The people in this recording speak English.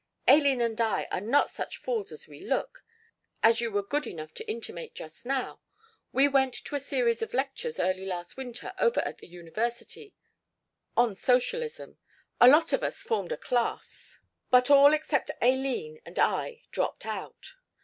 "Aileen and I are not such fools as we look as you were good enough to intimate just now. We went to a series of lectures early last winter over at the University, on Socialism a lot of us formed a class, but all except Aileen and I dropped out.